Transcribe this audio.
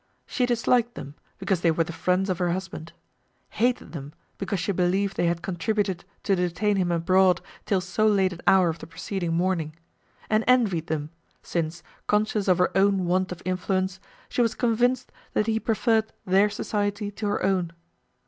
She disliked them, because they were the friends of her husband; hated them, because she believed they had contributed to detain him abroad till so late an hour of the preceding morning; and envied them, since, conscious of her own want of influence, she was convinced, that he preferred their society to her own.